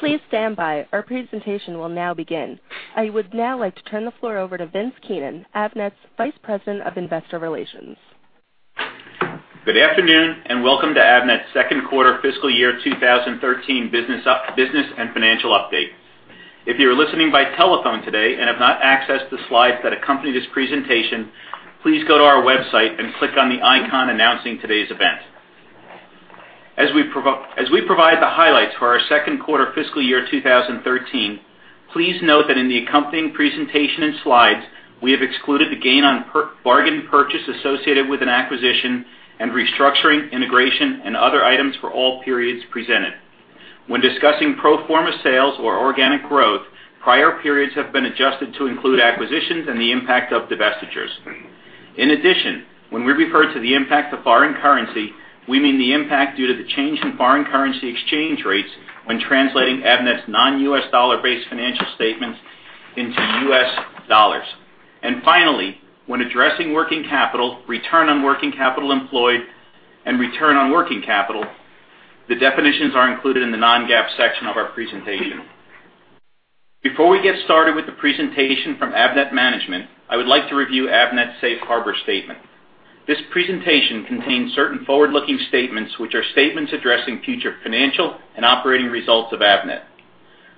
Please stand by. Our presentation will now begin. I would now like to turn the floor over to Vince Keenan, Avnet's Vice President of Investor Relations. Good afternoon, and welcome to Avnet's second quarter fiscal year 2013 business and financial update. If you are listening by telephone today and have not accessed the slides that accompany this presentation, please go to our website and click on the icon announcing today's event. As we provide the highlights for our second quarter fiscal year 2013, please note that in the accompanying presentation and slides, we have excluded the gain on bargain purchase associated with an acquisition and restructuring, integration, and other items for all periods presented. When discussing pro forma sales or organic growth, prior periods have been adjusted to include acquisitions and the impact of divestitures. In addition, when we refer to the impact of foreign currency, we mean the impact due to the change in foreign currency exchange rates when translating Avnet's non-US dollar-based financial statements into US dollars. Finally, when addressing working capital, return on working capital employed, and return on working capital, the definitions are included in the non-GAAP section of our presentation. Before we get started with the presentation from Avnet management, I would like to review Avnet's safe harbor statement. This presentation contains certain forward-looking statements, which are statements addressing future financial and operating results of Avnet.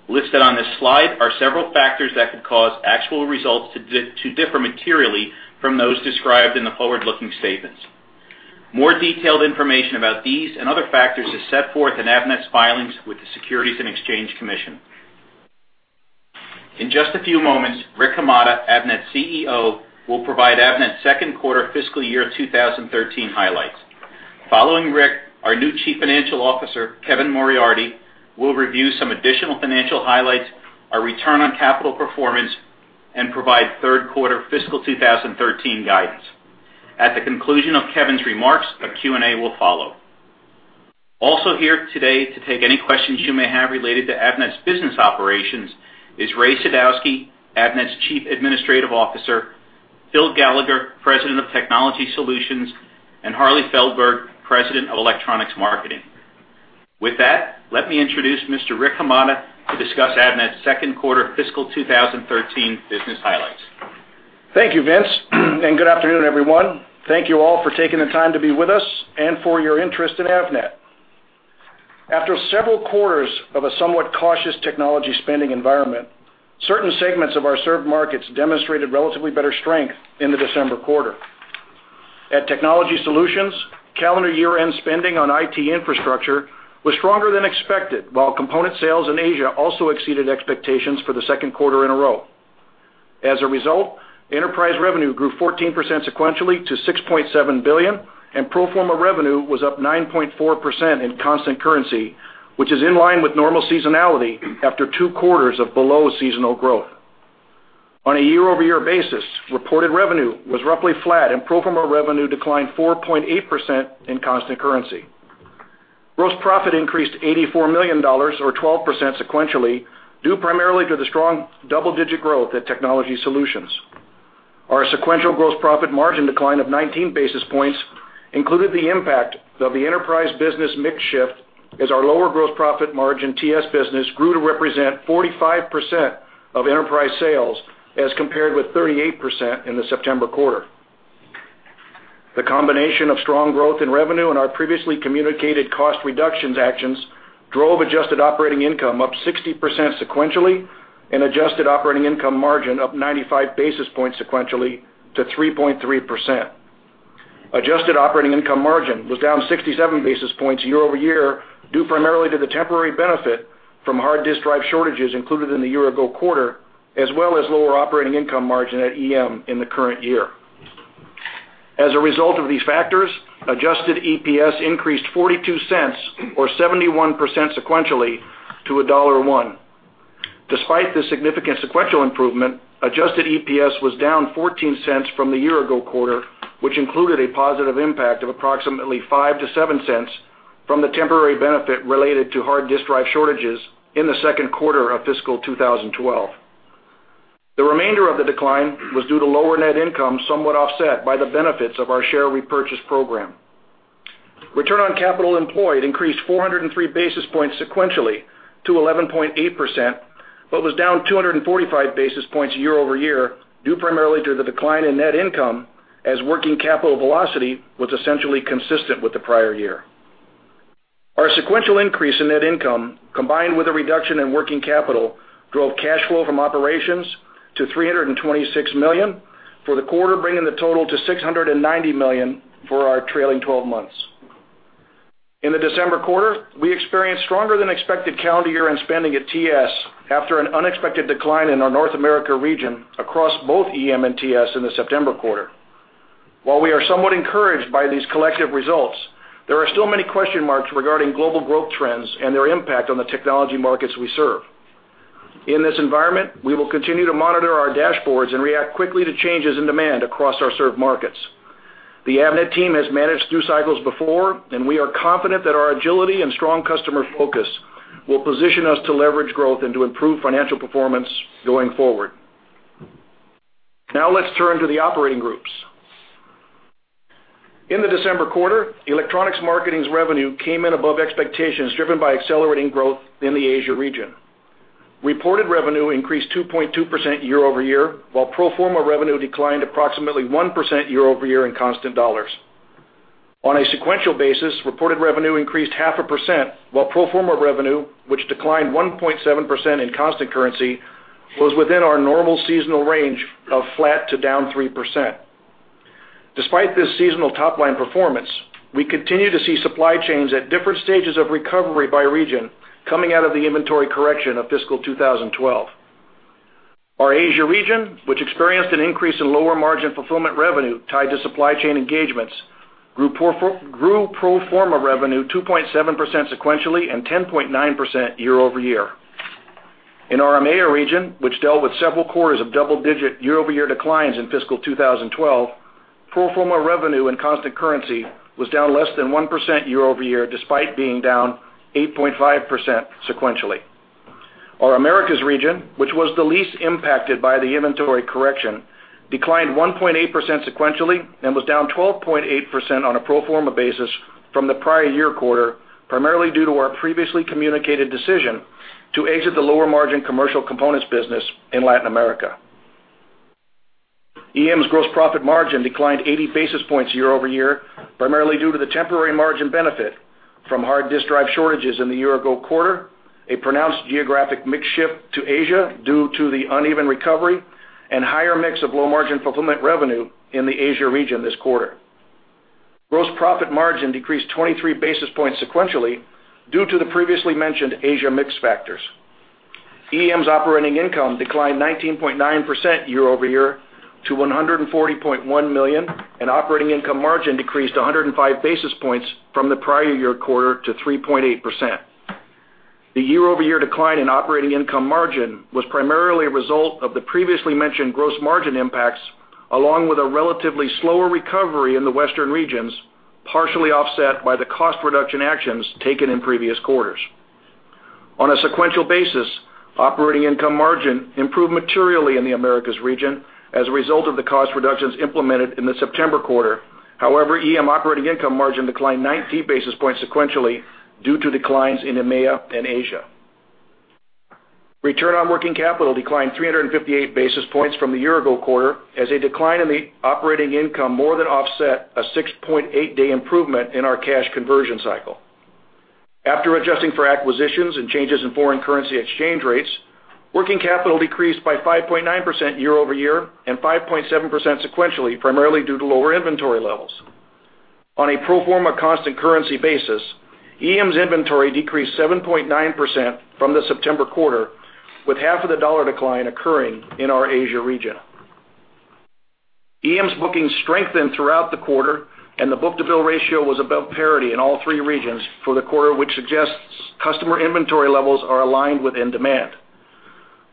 Listed on this slide are several factors that could cause actual results to differ materially from those described in the forward-looking statements. More detailed information about these and other factors is set forth in Avnet's filings with the Securities and Exchange Commission. In just a few moments, Rick Hamada, Avnet's CEO, will provide Avnet's second quarter fiscal year 2013 highlights. Following Rick, our new Chief Financial Officer, Kevin Moriarty, will review some additional financial highlights, our return on capital performance, and provide third quarter fiscal 2013 guidance. At the conclusion of Kevin's remarks, a Q&A will follow. Also here today to take any questions you may have related to Avnet's business operations is Ray Sadowski, Avnet's Chief Administrative Officer, Phil Gallagher, President of Technology Solutions, and Harley Feldberg, President of Electronics Marketing. With that, let me introduce Mr. Rick Hamada to discuss Avnet's second quarter fiscal 2013 business highlights. Thank you, Vince, and good afternoon, everyone. Thank you all for taking the time to be with us and for your interest in Avnet. After several quarters of a somewhat cautious technology spending environment, certain segments of our served markets demonstrated relatively better strength in the December quarter. At Technology Solutions, calendar year-end spending on IT infrastructure was stronger than expected, while component sales in Asia also exceeded expectations for the second quarter in a row. As a result, enterprise revenue grew 14% sequentially to $6.7 billion, and pro forma revenue was up 9.4% in constant currency, which is in line with normal seasonality after two quarters of below-seasonal growth. On a year-over-year basis, reported revenue was roughly flat, and pro forma revenue declined 4.8% in constant currency. Gross profit increased $84 million, or 12% sequentially, due primarily to the strong double-digit growth at Technology Solutions. Our sequential gross profit margin decline of 19 basis points included the impact of the enterprise business mix shift, as our lower gross profit margin TS business grew to represent 45% of enterprise sales, as compared with 38% in the September quarter. The combination of strong growth in revenue and our previously communicated cost reductions actions drove adjusted operating income up 60% sequentially and adjusted operating income margin up 95 basis points sequentially to 3.3%. Adjusted operating income margin was down 67 basis points year-over-year, due primarily to the temporary benefit from hard disk drive shortages included in the year-ago quarter, as well as lower operating income margin at EM in the current year. As a result of these factors, adjusted EPS increased $0.42, or 71% sequentially, to $1.01. Despite this significant sequential improvement, adjusted EPS was down $0.14 from the year-ago quarter, which included a positive impact of approximately $0.05-$0.07 from the temporary benefit related to hard disk drive shortages in the second quarter of fiscal 2012. The remainder of the decline was due to lower net income, somewhat offset by the benefits of our share repurchase program. Return on capital employed increased 403 basis points sequentially to 11.8%, but was down 245 basis points year-over-year, due primarily to the decline in net income, as working capital velocity was essentially consistent with the prior year. Our sequential increase in net income, combined with a reduction in working capital, drove cash flow from operations to $326 million for the quarter, bringing the total to $690 million for our trailing twelve months. In the December quarter, we experienced stronger-than-expected calendar year-end spending at TS after an unexpected decline in our North America region across both EM and TS in the September quarter. While we are somewhat encouraged by these collective results, there are still many question marks regarding global growth trends and their impact on the technology markets we serve. In this environment, we will continue to monitor our dashboards and react quickly to changes in demand across our served markets. The Avnet team has managed through cycles before, and we are confident that our agility and strong customer focus will position us to leverage growth and to improve financial performance going forward. Now let's turn to the operating groups.... In the December quarter, Electronics Marketing's revenue came in above expectations, driven by accelerating growth in the Asia region. Reported revenue increased 2.2% year-over-year, while pro forma revenue declined approximately 1% year-over-year in constant dollars. On a sequential basis, reported revenue increased 0.5%, while pro forma revenue, which declined 1.7% in constant currency, was within our normal seasonal range of flat to down 3%. Despite this seasonal top-line performance, we continue to see supply chains at different stages of recovery by region coming out of the inventory correction of fiscal 2012. Our Asia region, which experienced an increase in lower margin fulfillment revenue tied to supply chain engagements, grew pro forma revenue 2.7% sequentially and 10.9% year-over-year. In our EMEA region, which dealt with several quarters of double-digit year-over-year declines in fiscal 2012, pro forma revenue in constant currency was down less than 1% year-over-year, despite being down 8.5% sequentially. Our Americas region, which was the least impacted by the inventory correction, declined 1.8% sequentially and was down 12.8% on a pro forma basis from the prior year quarter, primarily due to our previously communicated decision to exit the lower margin commercial components business in Latin America. EM's gross profit margin declined 80 basis points year-over-year, primarily due to the temporary margin benefit from hard disk drive shortages in the year ago quarter, a pronounced geographic mix shift to Asia due to the uneven recovery, and higher mix of low-margin fulfillment revenue in the Asia region this quarter. Gross profit margin decreased 23 basis points sequentially due to the previously mentioned Asia mix factors. EM's operating income declined 19.9% year-over-year to $140.1 million, and operating income margin decreased 105 basis points from the prior year quarter to 3.8%. The year-over-year decline in operating income margin was primarily a result of the previously mentioned gross margin impacts, along with a relatively slower recovery in the Western regions, partially offset by the cost reduction actions taken in previous quarters. On a sequential basis, operating income margin improved materially in the Americas region as a result of the cost reductions implemented in the September quarter. However, EM operating income margin declined 90 basis points sequentially due to declines in EMEA and Asia. Return on working capital declined 358 basis points from the year ago quarter, as a decline in the operating income more than offset a 6.8-day improvement in our cash conversion cycle. After adjusting for acquisitions and changes in foreign currency exchange rates, working capital decreased by 5.9% year-over-year and 5.7% sequentially, primarily due to lower inventory levels. On a pro forma constant currency basis, EM's inventory decreased 7.9% from the September quarter, with half of the dollar decline occurring in our Asia region. EM's bookings strengthened throughout the quarter, and the book-to-bill ratio was above parity in all three regions for the quarter, which suggests customer inventory levels are aligned with end demand.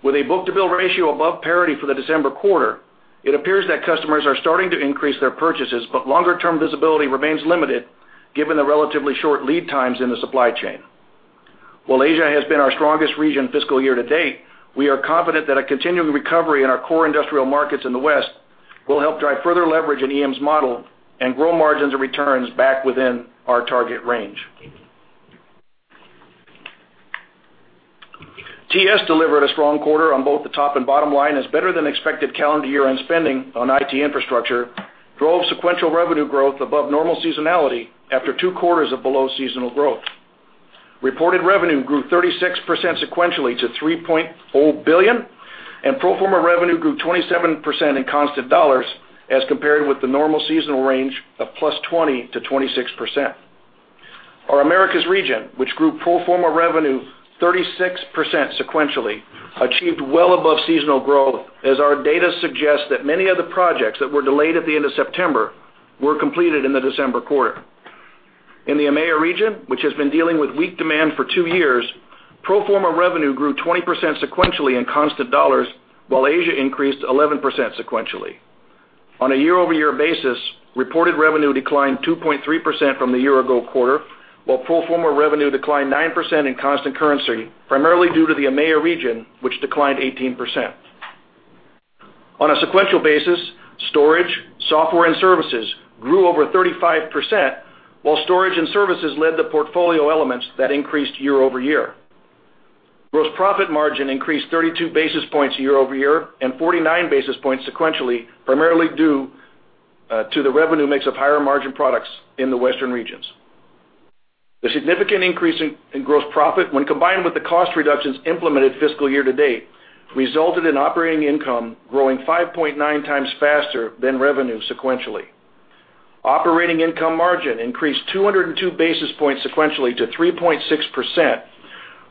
With a book-to-bill ratio above parity for the December quarter, it appears that customers are starting to increase their purchases, but longer-term visibility remains limited given the relatively short lead times in the supply chain. While Asia has been our strongest region fiscal year to date, we are confident that a continuing recovery in our core industrial markets in the West will help drive further leverage in EM's model and grow margins and returns back within our target range. TS delivered a strong quarter on both the top and bottom line, as better-than-expected calendar year-end spending on IT infrastructure drove sequential revenue growth above normal seasonality after two quarters of below-seasonal growth. Reported revenue grew 36% sequentially to $3.0 billion, and pro forma revenue grew 27% in constant dollars, as compared with the normal seasonal range of +20%-26%. Our Americas region, which grew pro forma revenue 36% sequentially, achieved well above seasonal growth, as our data suggests that many of the projects that were delayed at the end of September were completed in the December quarter. In the EMEA region, which has been dealing with weak demand for two years, pro forma revenue grew 20% sequentially in constant dollars, while Asia increased 11% sequentially. On a year-over-year basis, reported revenue declined 2.3% from the year ago quarter, while pro forma revenue declined 9% in constant currency, primarily due to the EMEA region, which declined 18%. On a sequential basis, storage, software, and services grew over 35%, while storage and services led the portfolio elements that increased year-over-year. Gross profit margin increased 32 basis points year-over-year and 49 basis points sequentially, primarily due to the revenue mix of higher margin products in the Western regions. The significant increase in gross profit, when combined with the cost reductions implemented fiscal year to date, resulted in operating income growing 5.9 times faster than revenue sequentially. Operating income margin increased 202 basis points sequentially to 3.6%,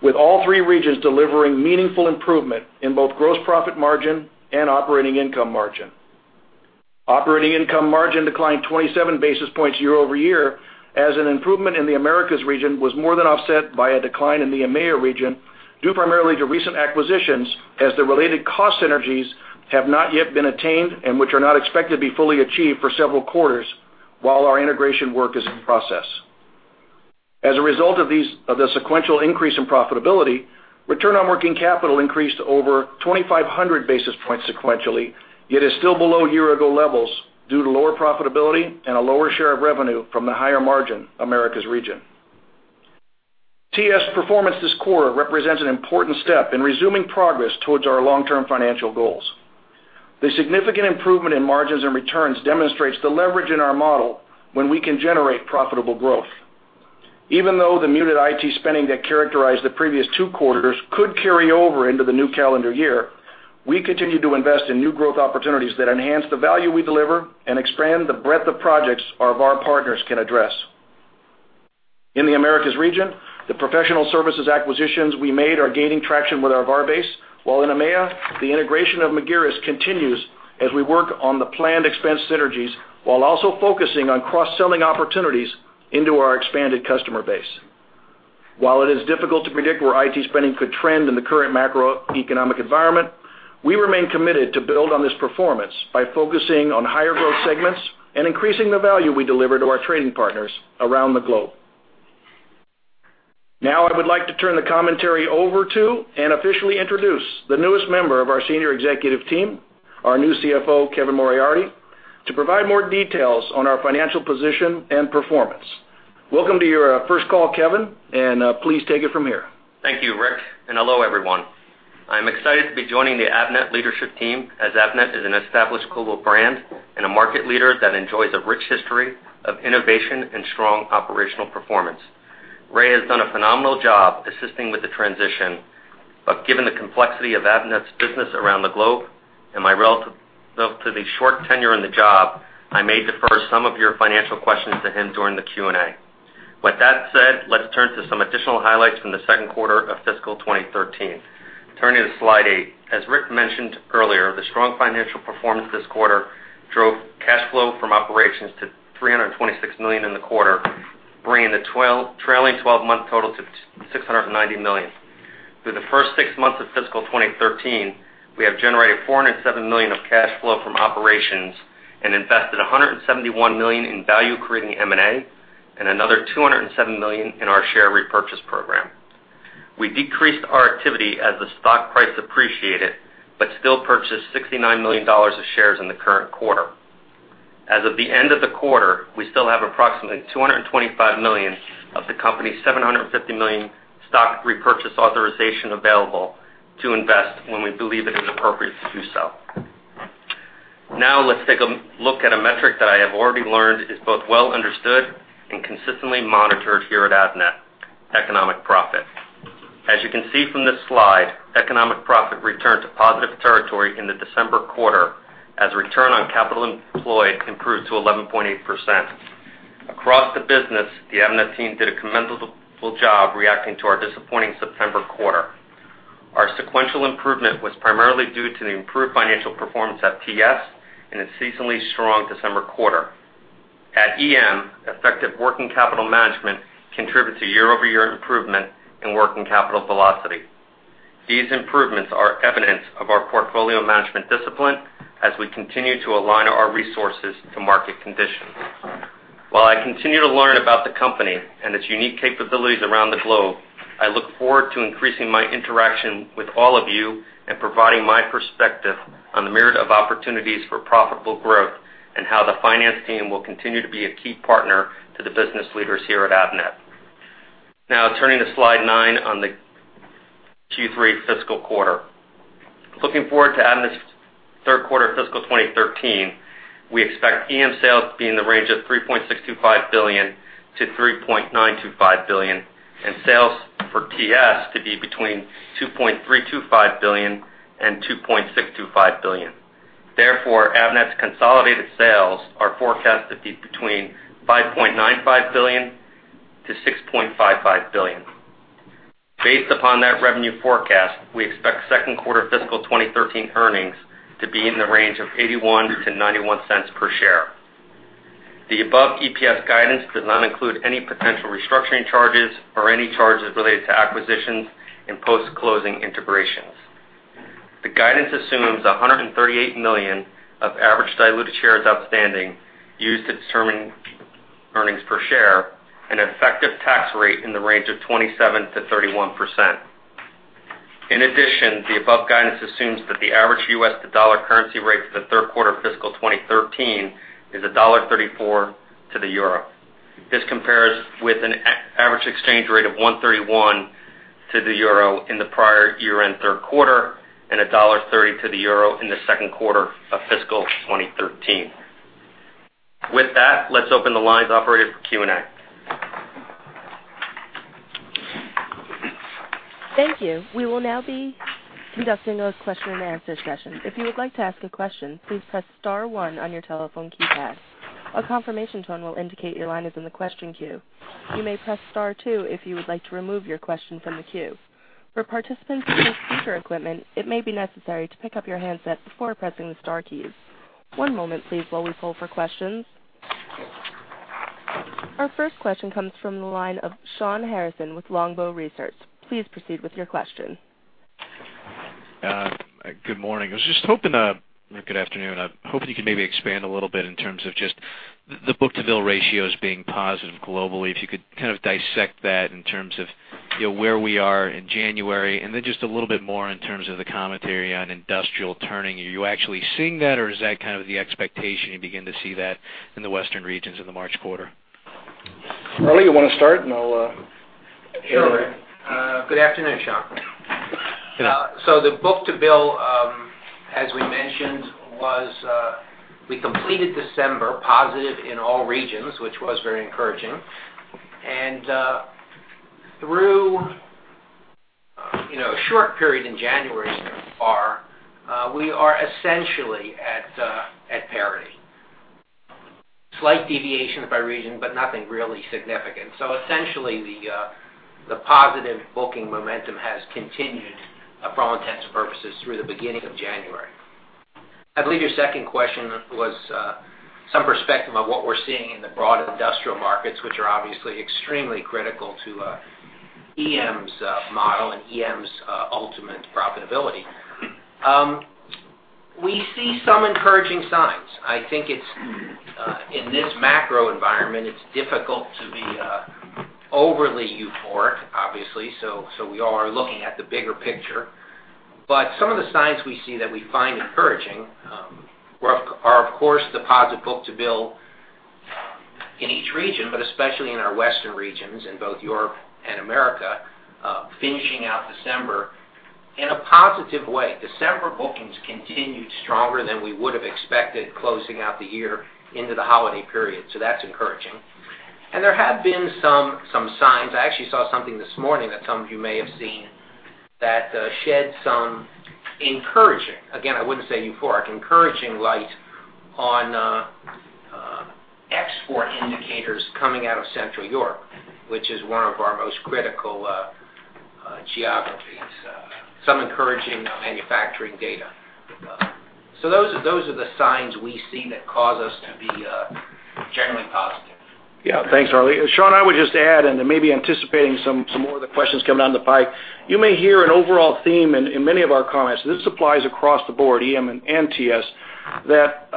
with all three regions delivering meaningful improvement in both gross profit margin and operating income margin. Operating income margin declined 27 basis points year-over-year, as an improvement in the Americas region was more than offset by a decline in the EMEA region, due primarily to recent acquisitions, as the related cost synergies have not yet been attained and which are not expected to be fully achieved for several quarters while our integration work is in process. As a result of these, of the sequential increase in profitability, return on working capital increased to over 2,500 basis points sequentially, yet is still below year-ago levels due to lower profitability and a lower share of revenue from the higher margin Americas region. TS performance this quarter represents an important step in resuming progress towards our long-term financial goals. The significant improvement in margins and returns demonstrates the leverage in our model when we can generate profitable growth. Even though the muted IT spending that characterized the previous two quarters could carry over into the new calendar year, we continue to invest in new growth opportunities that enhance the value we deliver and expand the breadth of projects our VAR partners can address. In the Americas region, the professional services acquisitions we made are gaining traction with our VAR base, while in EMEA, the integration of Magirus continues as we work on the planned expense synergies, while also focusing on cross-selling opportunities into our expanded customer base. While it is difficult to predict where IT spending could trend in the current macroeconomic environment, we remain committed to build on this performance by focusing on higher growth segments and increasing the value we deliver to our trading partners around the globe. Now, I would like to turn the commentary over to and officially introduce the newest member of our senior executive team, our new CFO, Kevin Moriarty, to provide more details on our financial position and performance. Welcome to your first call, Kevin, and please take it from here. Thank you, Rick, and hello, everyone. I'm excited to be joining the Avnet leadership team, as Avnet is an established global brand and a market leader that enjoys a rich history of innovation and strong operational performance. Ray has done a phenomenal job assisting with the transition, but given the complexity of Avnet's business around the globe and my relatively short tenure in the job, I may defer some of your financial questions to him during the Q&A. With that said, let's turn to some additional highlights from the second quarter of fiscal 2013. Turning to slide 8. As Rick mentioned earlier, the strong financial performance this quarter drove cash flow from operations to $326 million in the quarter, bringing the trailing twelve-month total to $690 million. Through the first six months of fiscal 2013, we have generated $407 million of cash flow from operations and invested $171 million in value-creating M&A, and another $207 million in our share repurchase program. We decreased our activity as the stock price appreciated, but still purchased $69 million of shares in the current quarter. As of the end of the quarter, we still have approximately $225 million of the company's $750 million stock repurchase authorization available to invest when we believe it is appropriate to do so. Now, let's take a look at a metric that I have already learned is both well understood and consistently monitored here at Avnet: economic profit. As you can see from this slide, economic profit returned to positive territory in the December quarter as return on capital employed improved to 11.8%. Across the business, the Avnet team did a commendable job reacting to our disappointing September quarter. Our sequential improvement was primarily due to the improved financial performance at TS and a seasonally strong December quarter. At EM, effective working capital management contributed to year-over-year improvement in working capital velocity. These improvements are evidence of our portfolio management discipline as we continue to align our resources to market conditions. While I continue to learn about the company and its unique capabilities around the globe, I look forward to increasing my interaction with all of you and providing my perspective on the myriad of opportunities for profitable growth and how the finance team will continue to be a key partner to the business leaders here at Avnet. Now, turning to slide 9 on the Q3 fiscal quarter. Looking forward to Avnet's third quarter fiscal 2013, we expect EM sales to be in the range of $3.625 billion-$3.925 billion, and sales for TS to be between $2.325 billion and $2.625 billion. Therefore, Avnet's consolidated sales are forecast to be between $5.95 billion-$6.55 billion. Based upon that revenue forecast, we expect second quarter fiscal 2013 earnings to be in the range of $0.81-$0.91 per share. The above EPS guidance does not include any potential restructuring charges or any charges related to acquisitions and post-closing integrations. The guidance assumes 138 million of average diluted shares outstanding, used to determine earnings per share and an effective tax rate in the range of 27%-31%. In addition, the above guidance assumes that the average U.S. dollar currency rate for the third quarter of fiscal 2013 is $1.34 to the euro. This compares with an average exchange rate of $1.31 to the euro in the prior year-end third quarter, and $1.30 to the euro in the second quarter of fiscal 2013. With that, let's open the lines up for Q&A. Thank you. We will now be conducting a question and answer session. If you would like to ask a question, please press star one on your telephone keypad. A confirmation tone will indicate your line is in the question queue. You may press star two if you would like to remove your question from the queue. For participants with speaker equipment, it may be necessary to pick up your handset before pressing the star keys. One moment, please, while we poll for questions. Our first question comes from the line of Shawn Harrison. Please proceed with your question.... Good morning. I was just hoping, or good afternoon. I was hoping you could maybe expand a little bit in terms of just the book-to-bill ratios being positive globally. If you could kind of dissect that in terms of, you know, where we are in January, and then just a little bit more in terms of the commentary on industrial turning. Are you actually seeing that, or is that kind of the expectation you begin to see that in the Western regions in the March quarter? Harley, you wanna start, and I'll chime in. Sure. Good afternoon, Shawn. Good afternoon. So the book-to-bill, as we mentioned, was positive in all regions for December, which was very encouraging. Through, you know, a short period in January so far, we are essentially at parity. Slight deviations by region, but nothing really significant. So essentially, the positive booking momentum has continued, for all intents and purposes, through the beginning of January. I believe your second question was some perspective on what we're seeing in the broader industrial markets, which are obviously extremely critical to EM's model and EM's ultimate profitability. We see some encouraging signs. I think it's in this macro environment; it's difficult to be overly euphoric, obviously, so we all are looking at the bigger picture. But some of the signs we see that we find encouraging, are, of course, the positive book-to-bill in each region, but especially in our Western regions, in both Europe and America, finishing out December in a positive way. December bookings continued stronger than we would have expected, closing out the year into the holiday period, so that's encouraging. And there have been some signs. I actually saw something this morning that some of you may have seen, that, shed some encouraging, again, I wouldn't say euphoric, encouraging light on, export indicators coming out of Central Europe, which is one of our most critical, geographies, some encouraging manufacturing data. So those are the signs we see that cause us to be, generally positive. Yeah. Thanks, Harley. Shawn, I would just add, and then maybe anticipating some more of the questions coming down the pipe. You may hear an overall theme in many of our comments, and this applies across the board, EM and TS, that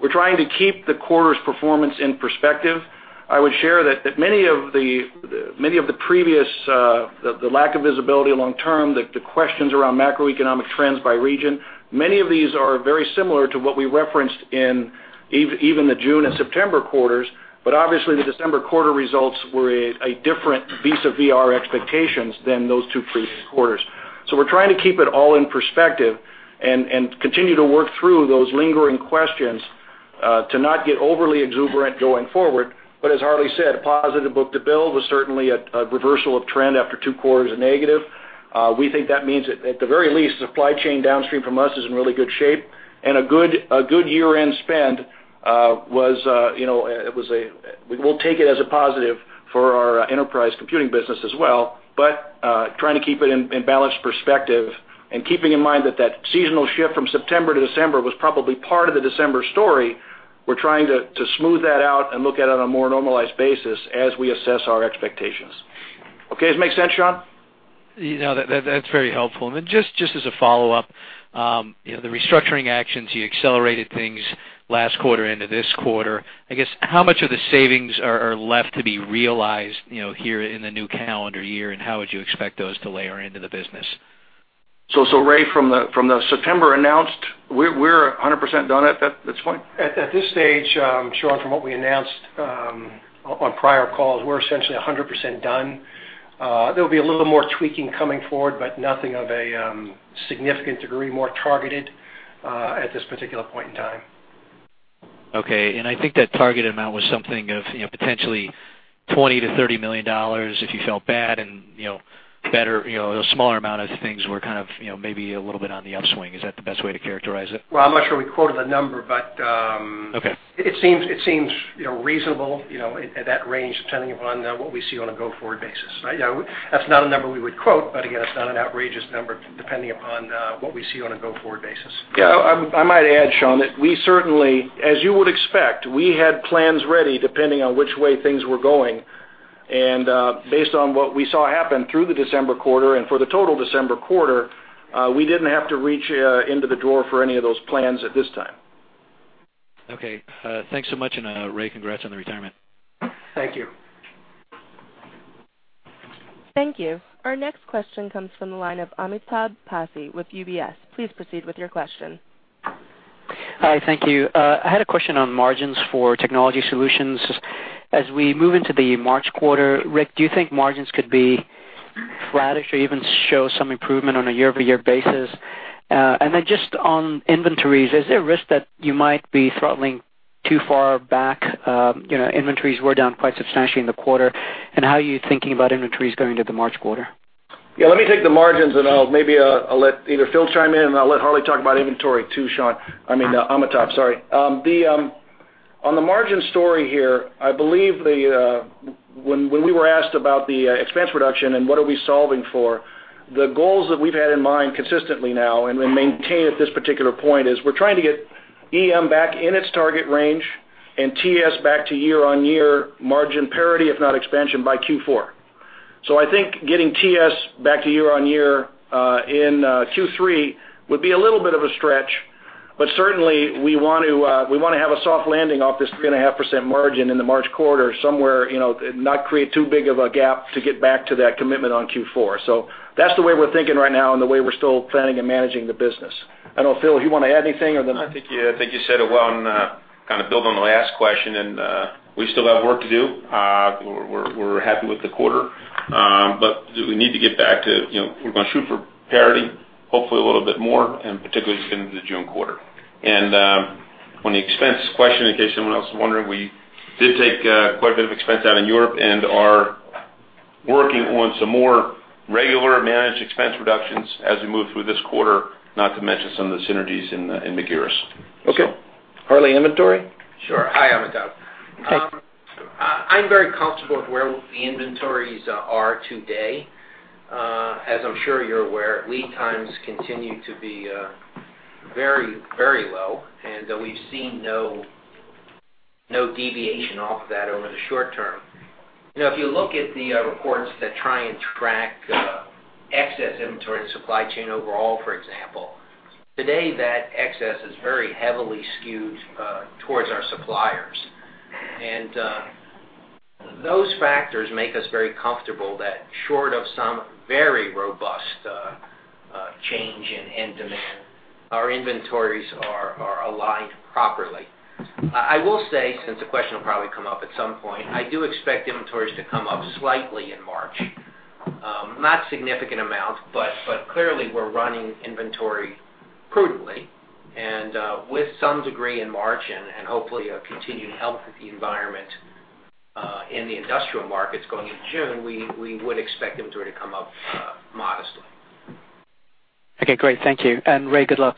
we're trying to keep the quarter's performance in perspective. I would share that many of the previous, the lack of visibility long term, the questions around macroeconomic trends by region, many of these are very similar to what we referenced in even the June and September quarters. But obviously, the December quarter results were a different vis-a-vis our expectations than those two previous quarters. So we're trying to keep it all in perspective and continue to work through those lingering questions, to not get overly exuberant going forward. But as Harley said, a positive book-to-bill was certainly a reversal of trend after two quarters of negative. We think that means at the very least, supply chain downstream from us is in really good shape, and a good year-end spend, you know, it was. We'll take it as a positive for our enterprise computing business as well. But trying to keep it in balanced perspective and keeping in mind that that seasonal shift from September to December was probably part of the December story, we're trying to smooth that out and look at it on a more normalized basis as we assess our expectations. Okay, does it make sense, Shawn? Yeah, that's very helpful. And then just as a follow-up, you know, the restructuring actions, you accelerated things last quarter into this quarter. I guess, how much of the savings are left to be realized, you know, here in the new calendar year, and how would you expect those to layer into the business? So, Ray, from the September announced, we're 100% done at that point? At this stage, Shawn, from what we announced on prior calls, we're essentially 100% done. There'll be a little more tweaking coming forward, but nothing of a significant degree, more targeted at this particular point in time. Okay. And I think that target amount was something of, you know, potentially $20 million-$30 million if you felt bad and, you know, better, you know, a smaller amount of things were kind of, you know, maybe a little bit on the upswing. Is that the best way to characterize it? Well, I'm not sure we quoted a number, but, Okay. It seems, it seems, you know, reasonable, you know, at, at that range, depending upon what we see on a go-forward basis. Right, yeah, that's not a number we would quote, but again, it's not an outrageous number, depending upon what we see on a go-forward basis. Yeah, I might add, Shawn, that we certainly, as you would expect, we had plans ready depending on which way things were going. And based on what we saw happen through the December quarter and for the total December quarter, we didn't have to reach into the drawer for any of those plans at this time. Okay. Thanks so much, and Ray, congrats on the retirement. Thank you. Thank you. Our next question comes from the line of Amitabh Passi with UBS. Please proceed with your question. Hi, thank you. I had a question on margins for Technology Solutions. As we move into the March quarter, Rick, do you think margins could be flatish or even show some improvement on a year-over-year basis? And then just on inventories, is there a risk that you might be throttling too far back? You know, inventories were down quite substantially in the quarter. And how are you thinking about inventories going into the March quarter? Yeah, let me take the margins, and I'll maybe, I'll let either Phil chime in, and I'll let Harley talk about inventory, too, Shawn. I mean, Amitabh, sorry. The on the margin story here, I believe the when we were asked about the expense reduction and what are we solving for, the goals that we've had in mind consistently now and maintain at this particular point, is we're trying to get EM back in its target range.... and TS back to year-on-year margin parity, if not expansion, by Q4. So I think getting TS back to year-on-year in Q3 would be a little bit of a stretch, but certainly, we want to we wanna have a soft landing off this 3.5% margin in the March quarter, somewhere, you know, not create too big of a gap to get back to that commitment on Q4. So that's the way we're thinking right now and the way we're still planning and managing the business. I don't know, Phil, you want to add anything, or then- I think you said it well, and kind of build on the last question, and we still have work to do. We're happy with the quarter, but we need to get back to, you know, we're gonna shoot for parity, hopefully a little bit more, and particularly in the June quarter. And on the expense question, in case anyone else is wondering, we did take quite a bit of expense out in Europe and are working on some more regular managed expense reductions as we move through this quarter, not to mention some of the synergies in the Magirus. Okay. Harley, inventory? Sure. Hi, Amitabh Hey. I'm very comfortable with where the inventories are today. As I'm sure you're aware, lead times continue to be very, very low, and we've seen no deviation off that over the short term. You know, if you look at the reports that try and track excess inventory and supply chain overall, for example, today, that excess is very heavily skewed towards our suppliers. And those factors make us very comfortable that short of some very robust change in end demand, our inventories are aligned properly. I will say, since the question will probably come up at some point, I do expect inventories to come up slightly in March. Not significant amount, but clearly, we're running inventory prudently and with some degree in March and hopefully a continued healthy environment in the industrial markets going into June. We would expect inventory to come up modestly. Okay, great. Thank you. And Ray, good luck.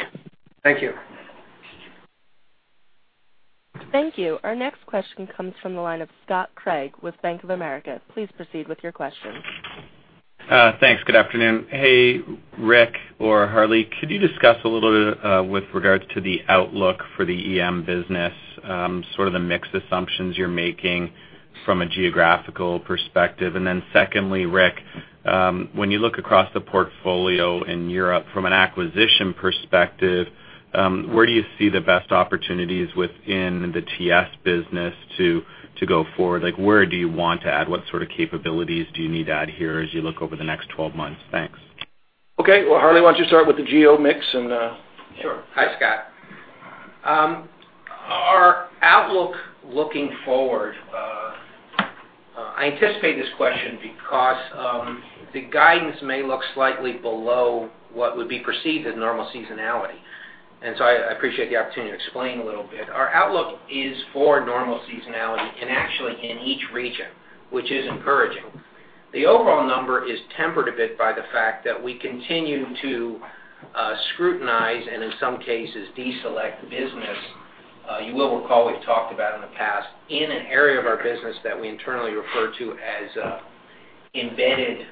Thank you. Thank you. Our next question comes from the line of Scott Craig with Bank of America. Please proceed with your question. Thanks. Good afternoon. Hey, Rick or Harley, could you discuss a little bit, with regards to the outlook for the EM business, sort of the mix assumptions you're making from a geographical perspective? And then secondly, Rick, when you look across the portfolio in Europe from an acquisition perspective, where do you see the best opportunities within the TS business to go forward? Like, where do you want to add? What sort of capabilities do you need to add here as you look over the next 12 months? Thanks. Okay. Well, Harley, why don't you start with the geo mix and Sure. Hi, Scott. Our outlook looking forward, I anticipate this question because the guidance may look slightly below what would be perceived as normal seasonality, and so I, I appreciate the opportunity to explain a little bit. Our outlook is for normal seasonality, and actually in each region, which is encouraging. The overall number is tempered a bit by the fact that we continue to scrutinize, and in some cases, deselect business. You will recall, we've talked about in the past, in an area of our business that we internally refer to as embedded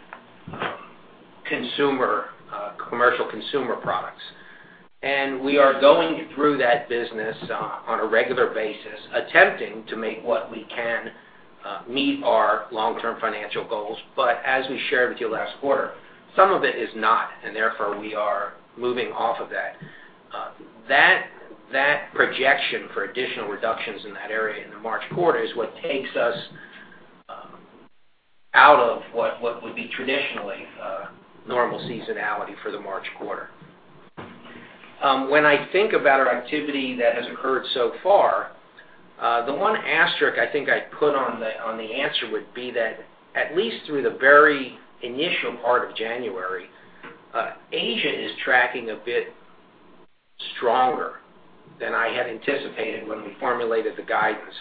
consumer commercial consumer products. And we are going through that business on a regular basis, attempting to make what we can meet our long-term financial goals. But as we shared with you last quarter, some of it is not, and therefore, we are moving off of that. That projection for additional reductions in that area in the March quarter is what takes us out of what would be traditionally normal seasonality for the March quarter. When I think about our activity that has occurred so far, the one asterisk I think I'd put on the answer would be that at least through the very initial part of January, Asia is tracking a bit stronger than I had anticipated when we formulated the guidance,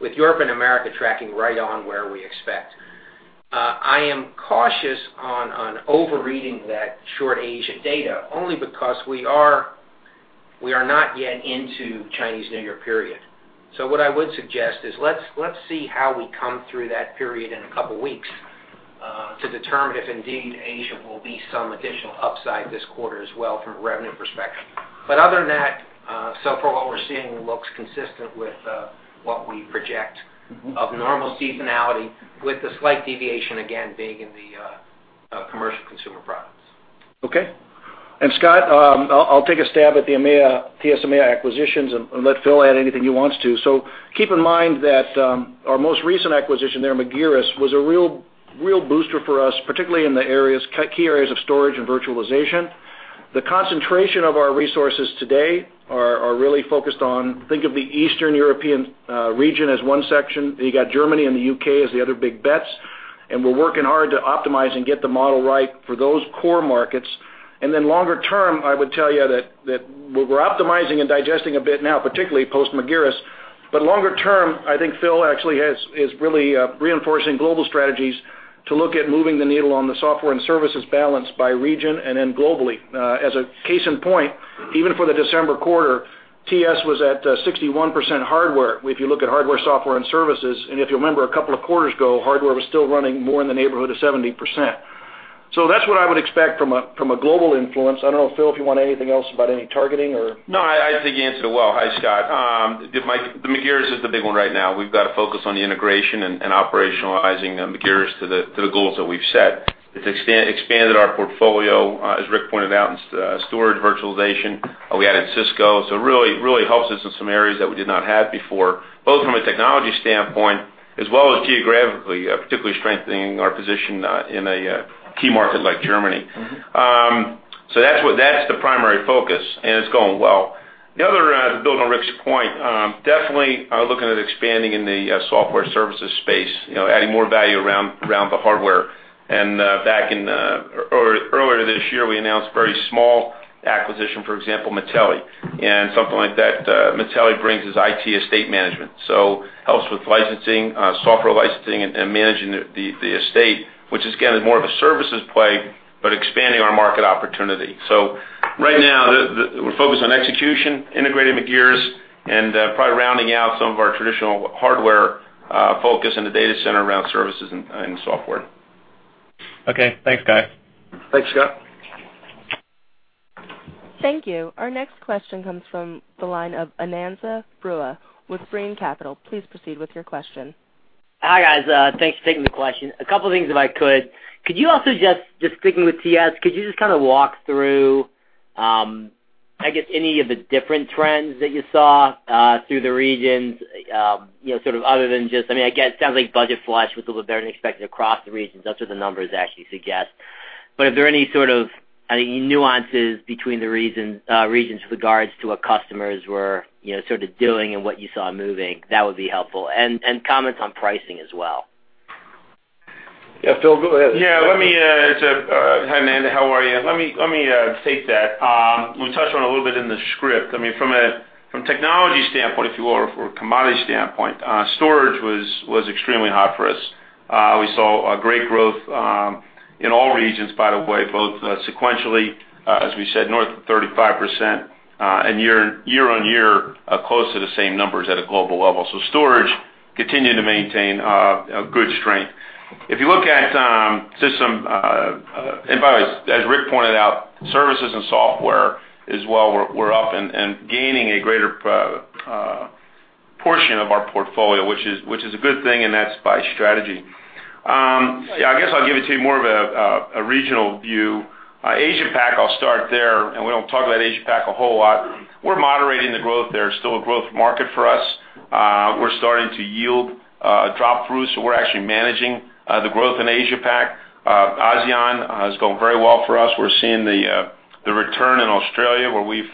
with Europe and America tracking right on where we expect. I am cautious on overreading that short Asia data, only because we are not yet into Chinese New Year period. So what I would suggest is let's see how we come through that period in a couple of weeks to determine if indeed Asia will be some additional upside this quarter as well from a revenue perspective. But other than that, so far what we're seeing looks consistent with what we project of normal seasonality, with the slight deviation, again, being in the commercial consumer products. Okay. And, Scott, I'll take a stab at the EMEA, TS EMEA acquisitions and let Phil add anything he wants to. So keep in mind that our most recent acquisition there, Magirus, was a real, real booster for us, particularly in the areas, key areas of storage and virtualization. The concentration of our resources today are really focused on, think of the Eastern Europe region as one section. You got Germany and the UK as the other big bets, and we're working hard to optimize and get the model right for those core markets. And then longer term, I would tell you that we're optimizing and digesting a bit now, particularly post-Magirus. But longer term, I think Phil actually is really reinforcing global strategies to look at moving the needle on the software and services balance by region and then globally. As a case in point, even for the December quarter, TS was at 61% hardware. If you look at hardware, software, and services, and if you remember, a couple of quarters ago, hardware was still running more in the neighborhood of 70%. So that's what I would expect from a, from a global influence. I don't know, Phil, if you want anything else about any targeting or? No, I think you answered it well. Hi, Scott. The Magirus is the big one right now. We've got to focus on the integration and operationalizing the Magirus to the goals that we've set. It's expanded our portfolio, as Rick pointed out, in storage virtualization, we added Cisco. So really helps us in some areas that we did not have before, both from a technology standpoint as well as geographically, particularly strengthening our position in a key market like Germany. So that's the primary focus, and it's going well. The other, to build on Rick's point, definitely are looking at expanding in the software services space, you know, adding more value around the hardware. Or earlier this year, we announced very small acquisition, for example, Mattelli. And something like that, Mattelli brings is IT estate management, so helps with licensing, software licensing and managing the estate, which is again, more of a services play, but expanding our market opportunity. So right now, we're focused on execution, integrating Magirus, and probably rounding out some of our traditional hardware focus in the data center around services and software. Okay. Thanks, guys. Thanks, Scott. Thank you. Our next question comes from the line of Ananda Baruah with Brean Capital. Please proceed with your question. Hi, guys, thanks for taking the question. A couple of things, if I could. Could you also just sticking with TS, could you just kind of walk through, I guess, any of the different trends that you saw through the regions, you know, sort of other than just... I mean, I guess, it sounds like budget flush with a little better than expected across the regions. That's what the numbers actually suggest. But are there any sort of, any nuances between the regions with regards to what customers were, you know, sort of doing and what you saw moving? That would be helpful. And comments on pricing as well. Yeah, Phil, go ahead. Yeah, let me... Hi, Ananda, how are you? Let me take that. We touched on a little bit in the script. I mean, from a technology standpoint, if you will, or commodity standpoint, storage was extremely hot for us. We saw great growth in all regions, by the way, both sequentially, as we said, north of 35%, and year-on-year, close to the same numbers at a global level. So storage continued to maintain a good strength. If you look at system, and by the way, as Rick pointed out, services and software as well were up and gaining a greater portion of our portfolio, which is a good thing, and that's by strategy. Yeah, I guess I'll give it to you more of a regional view. Asia Pac, I'll start there, and we don't talk about Asia Pac a whole lot. We're moderating the growth there. Still a growth market for us. We're starting to yield drop through, so we're actually managing the growth in Asia Pac. ASEAN has gone very well for us. We're seeing the return in Australia, where we've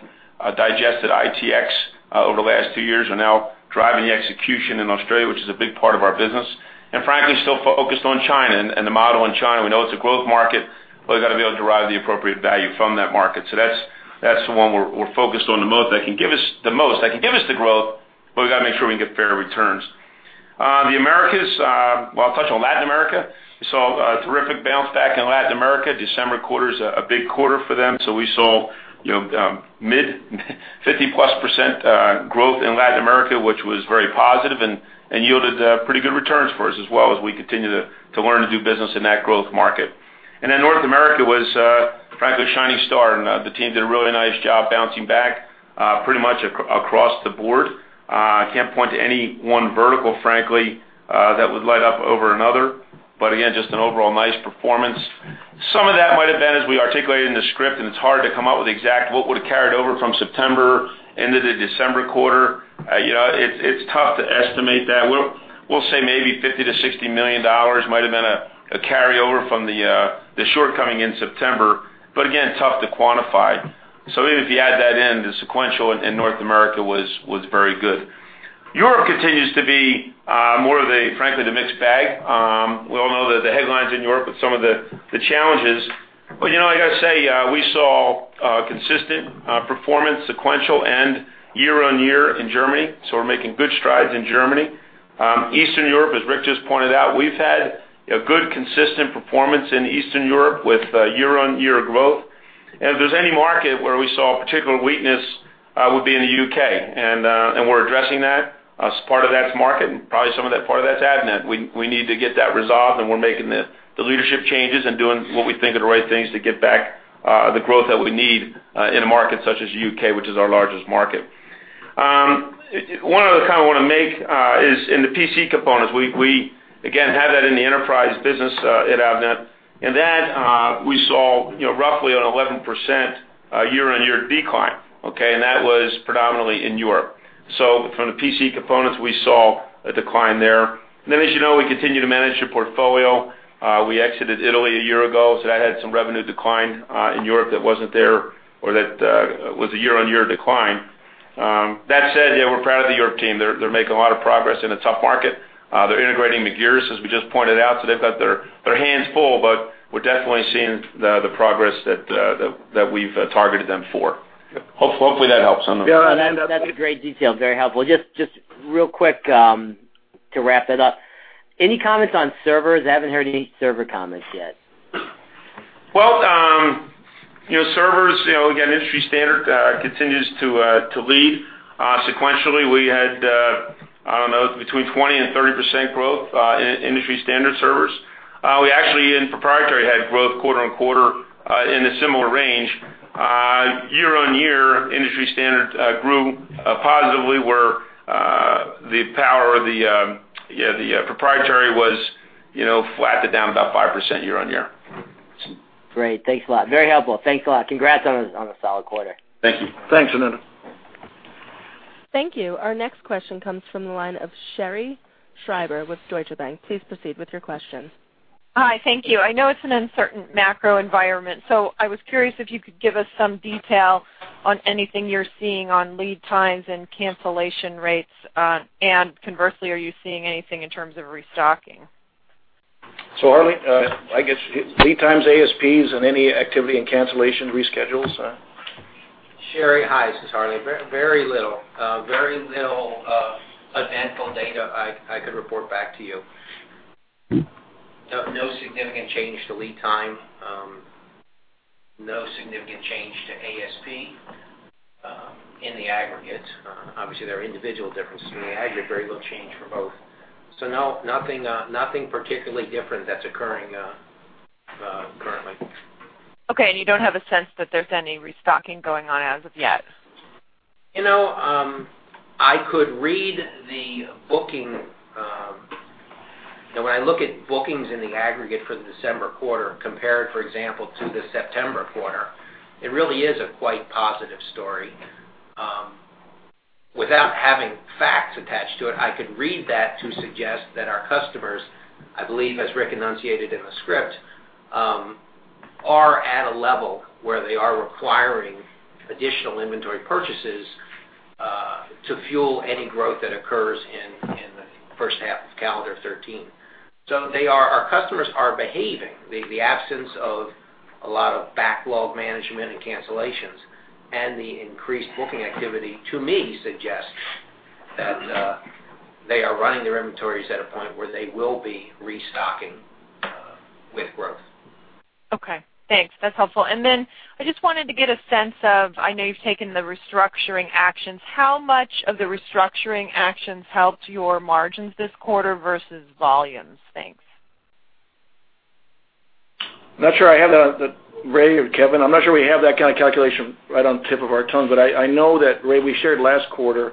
digested ItX over the last two years and now driving the execution in Australia, which is a big part of our business. Frankly, still focused on China and the model in China. We know it's a growth market, but we've got to be able to derive the appropriate value from that market. So that's the one we're focused on the most, that can give us the most, that can give us the growth, but we've got to make sure we get fair returns. The Americas, well, I'll touch on Latin America. We saw a terrific bounce back in Latin America. December quarter is a big quarter for them, so we saw, you know, mid-50%+ growth in Latin America, which was very positive and yielded pretty good returns for us as well, as we continue to learn to do business in that growth market. And then North America was, frankly, a shining star, and the team did a really nice job bouncing back pretty much across the board. I can't point to any one vertical, frankly, that would light up over another, but again, just an overall nice performance. Some of that might have been, as we articulated in the script, and it's hard to come up with the exact what would have carried over from September into the December quarter. You know, it's tough to estimate that. We'll say maybe $50-$60 million might have been a carryover from the shortcoming in September, but again, tough to quantify. So even if you add that in, the sequential in North America was very good. Europe continues to be more of a, frankly, the mixed bag. We all know the headlines in Europe with some of the challenges. But, you know, I got to say, we saw consistent performance, sequential and year-on-year, in Germany, so we're making good strides in Germany. Eastern Europe, as Rick just pointed out, we've had a good consistent performance in Eastern Europe with year-on-year growth. And if there's any market where we saw particular weakness, would be in the U.K., and we're addressing that. Part of that's market, and probably some of that part of that's Avnet. We need to get that resolved, and we're making the leadership changes and doing what we think are the right things to get back the growth that we need in a market such as U.K., which is our largest market. One other comment I want to make is in the PC components, we again have that in the enterprise business at Avnet, and that we saw, you know, roughly an 11% year-on-year decline, okay? And that was predominantly in Europe. So from the PC components, we saw a decline there. Then, as you know, we continue to manage the portfolio. We exited Italy a year ago, so that had some revenue decline in Europe that wasn't there or that was a year-on-year decline. That said, yeah, we're proud of the Europe team. They're making a lot of progress in a tough market. They're integrating Magirus, as we just pointed out, so they've got their hands full, but we're definitely seeing the progress that we've targeted them for. Hopefully, that helps some. Yeah, that's a great detail. Very helpful. Just real quick, to wrap it up. Any comments on servers? I haven't heard any server comments yet. Well, you know, servers, you know, again, industry standard continues to lead. Sequentially, we between 20% and 30% growth in industry standard servers. We actually in proprietary had growth quarter-on-quarter in a similar range. Year-on-year, industry standard grew positively, where the power of the, yeah, the proprietary was, you know, flat to down about 5% year-on-year. Great. Thanks a lot. Very helpful. Thanks a lot. Congrats on a, on a solid quarter. Thank you. Thanks, Ananda. Thank you. Our next question comes from the line of Sherri Scribner with Deutsche Bank. Please proceed with your question. Hi, thank you. I know it's an uncertain macro environment, so I was curious if you could give us some detail on anything you're seeing on lead times and cancellation rates. And conversely, are you seeing anything in terms of restocking? Harley, I guess lead times, ASPs, and any activity and cancellation reschedules? Sherri, hi, this is Harley. Very, very little. Very little eventful data I could report back to you. No significant change to lead time. No significant change to ASP, in the aggregate. Obviously, there are individual differences. In the aggregate, very little change for both. So no, nothing particularly different that's occurring, currently. Okay, and you don't have a sense that there's any restocking going on as of yet? You know, I could read the booking. Now, when I look at bookings in the aggregate for the December quarter, compared, for example, to the September quarter, it really is a quite positive story. Without having facts attached to it, I could read that to suggest that our customers, I believe, as Rick enunciated in the script, are at a level where they are requiring additional inventory purchases to fuel any growth that occurs in the first half of calendar 2013. So our customers are behaving. The absence of a lot of backlog management and cancellations and the increased booking activity, to me, suggests that they are running their inventories at a point where they will be restocking with growth. Okay, thanks. That's helpful. And then I just wanted to get a sense of, I know you've taken the restructuring actions. How much of the restructuring actions helped your margins this quarter versus volumes? Thanks. I'm not sure I have the—Ray or Kevin, I'm not sure we have that kind of calculation right on the tip of our tongue, but I know that, Ray, we shared last quarter,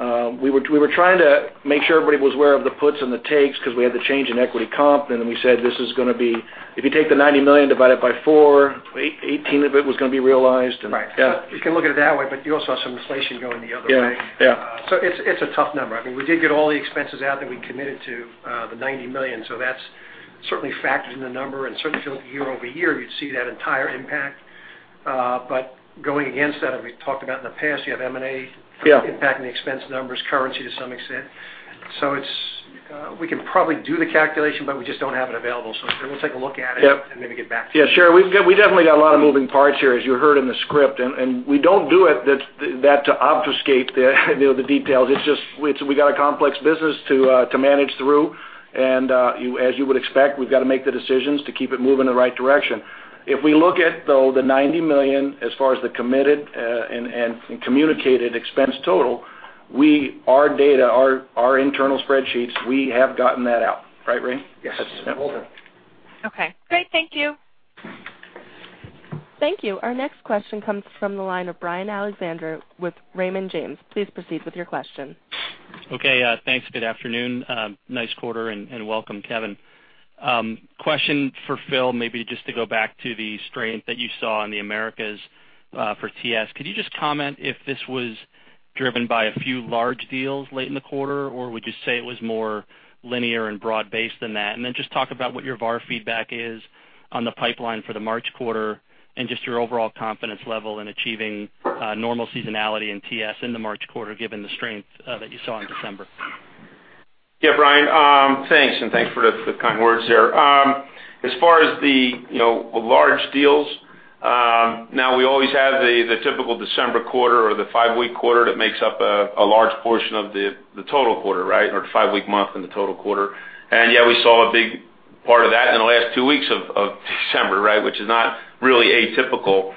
we were trying to make sure everybody was aware of the puts and the takes because we had the change in equity comp, and then we said, this is gonna be... If you take the $90 million, divide it by 4, 18 of it was gonna be realized. Right. Yeah. You can look at it that way, but you also have some inflation going the other way. Yeah. Yeah. So it's a tough number. I mean, we did get all the expenses out that we committed to, the $90 million, so that's certainly factored in the number and certainly year over year, you'd see that entire impact. But going against that, and we've talked about in the past, you have M&A- Yeah -impacting the expense numbers, currency to some extent. So it's, we can probably do the calculation, but we just don't have it available. So we'll take a look at it- Yep. and maybe get back to you. Yeah, sure. We've got we definitely got a lot of moving parts here, as you heard in the script, and, and we don't do it that, that to obfuscate the, you know, the details. It's just, it's we got a complex business to to manage through, and, you as you would expect, we've got to make the decisions to keep it moving in the right direction. If we look at, though, the $90 million, as far as the committed, and, and communicated expense total, we, our data, our, our internal spreadsheets, we have gotten that out. Right, Ray? Yes. Yep. Okay, great. Thank you. Thank you. Our next question comes from the line of Brian Alexander with Raymond James. Please proceed with your question. Okay, thanks. Good afternoon. Nice quarter, and, and welcome, Kevin. Question for Phil, maybe just to go back to the strength that you saw in the Americas, for TS. Could you just comment if this was driven by a few large deals late in the quarter, or would you say it was more linear and broad-based than that? And then just talk about what your VAR feedback is on the pipeline for the March quarter, and just your overall confidence level in achieving, normal seasonality in TS in the March quarter, given the strength, that you saw in December. Yeah, Brian, thanks, and thanks for the, the kind words there. As far as the, you know, large deals, now we always have the, the typical December quarter or the five-week quarter that makes up a, a large portion of the, the total quarter, right? Or five-week month in the total quarter. And yeah, we saw a big part of that in the last two weeks of, of December, right? Which is not really atypical.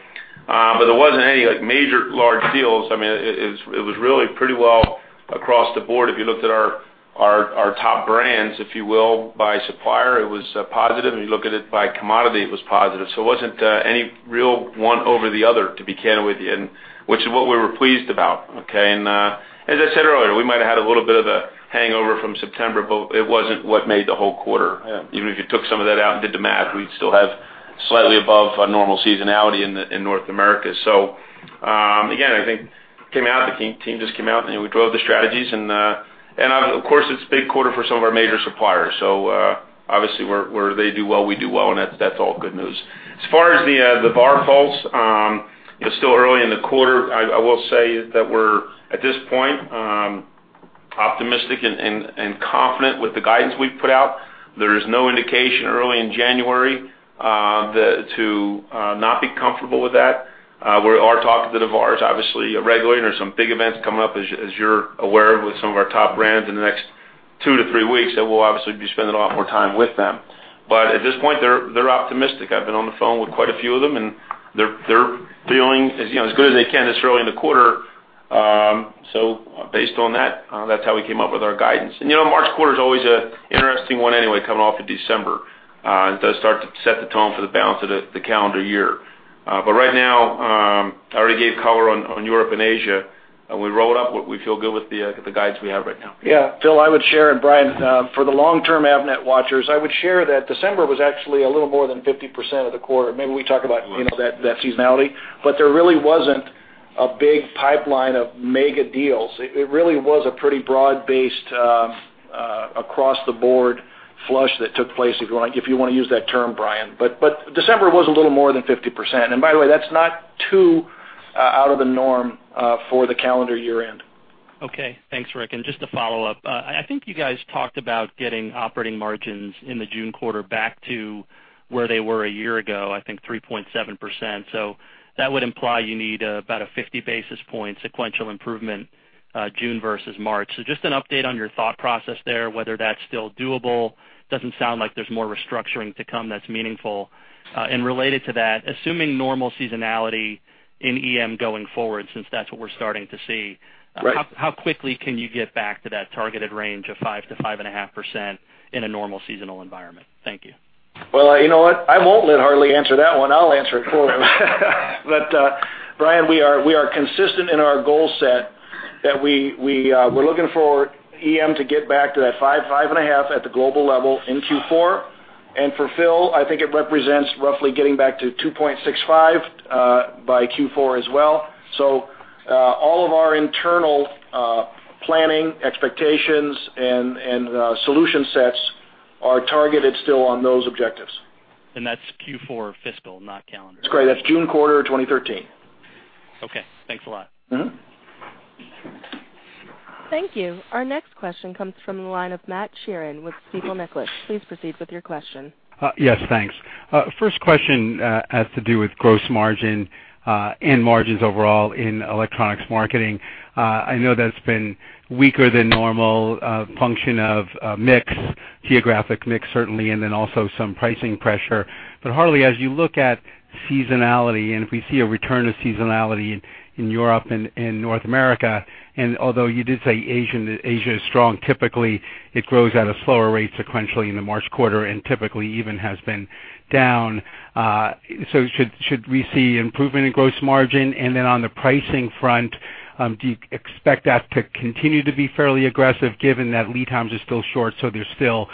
But there wasn't any, like, major large deals. I mean, it, it, it was really pretty well across the board. If you looked at our, our, our top brands, if you will, by supplier, it was, positive. If you look at it by commodity, it was positive. It wasn't any real one over the other, to be candid with you, and which is what we were pleased about, okay? As I said earlier, we might have had a little bit of a hangover from September, but it wasn't what made the whole quarter. Yeah. Even if you took some of that out and did the math, we'd still have slightly above our normal seasonality in North America. So, again, I think came out, the team just came out, and we drove the strategies, and of course, it's a big quarter for some of our major suppliers. So, obviously, where they do well, we do well, and that's all good news. As far as the VAR pulse, it's still early in the quarter. I will say that we're, at this point, optimistic and confident with the guidance we've put out. There is no indication early in January to not be comfortable with that. We are talking to the VARs, obviously, regularly, and there are some big events coming up, as you, as you're aware, with some of our top brands in the next 2-3 weeks, that we'll obviously be spending a lot more time with them. But at this point, they're, they're optimistic. I've been on the phone with quite a few of them, and they're, they're feeling as, you know, as good as they can this early in the quarter. So based on that, that's how we came up with our guidance. And, you know, March quarter is always an interesting one anyway, coming off of December. It does start to set the tone for the balance of the, the calendar year. But right now, I already gave color on Europe and Asia, and we rolled up what we feel good with the guides we have right now. Yeah, Phil, I would share, and Brian, for the long-term Avnet watchers, I would share that December was actually a little more than 50% of the quarter. Maybe we talk about, you know, that seasonality, but there really wasn't a big pipeline of mega deals. It really was a pretty broad-based, across-the-board flush that took place, if you want to use that term, Brian. But December was a little more than 50%. And by the way, that's not too out of the norm for the calendar year-end. Okay. Thanks, Rick. And just to follow up, I think you guys talked about getting operating margins in the June quarter back to where they were a year ago, I think 3.7%. So that would imply you need about a 50 basis point sequential improvement, June versus March. So just an update on your thought process there, whether that's still doable, doesn't sound like there's more restructuring to come that's meaningful. And related to that, assuming normal seasonality in EM going forward, since that's what we're starting to see- Right. How, how quickly can you get back to that targeted range of 5%-5.5% in a normal seasonal environment? Thank you. Well, you know what? I won't let Harley answer that one. I'll answer it for him. But, Brian, we are, we are consistent in our goal set, that we, we, we're looking for EM to get back to that 5-5.5 at the global level in Q4. And for Phil, I think it represents roughly getting back to 2.65 by Q4 as well. So, all of our internal planning, expectations, and solution sets are targeted still on those objectives. That's Q4 fiscal, not calendar? That's correct. That's June quarter of 2013. Okay. Thanks a lot. Thank you. Our next question comes from the line of Matt Sheerin with Stifel Nicolaus. Please proceed with your question. Yes, thanks. First question has to do with gross margin and margins overall in Electronics Marketing. I know that's been weaker than normal, a function of mix, geographic mix, certainly, and then also some pricing pressure. But Harley, as you look at seasonality, and if we see a return to seasonality in Europe and in North America, and although you did say Asia is strong, typically it grows at a slower rate sequentially in the March quarter, and typically even has been down. So should we see improvement in gross margin? And then on the pricing front, do you expect that to continue to be fairly aggressive, given that lead times are still short, so there's still